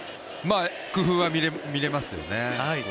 工夫は見れますよね。